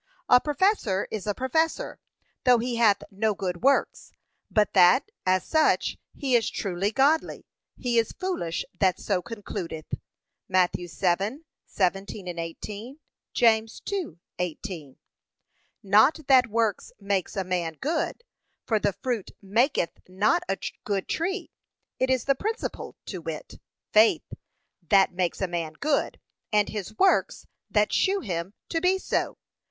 A professor is a professor, though he hath no good works; but that, as such, he is truly godly, he is foolish that so concludeth. (Matt. 7:17,18; James 2:18) Not that works makes a man good; for the fruit maketh not a good tree, it is the principle, to wit, Faith, that makes a man good, and his works that shew him to be so.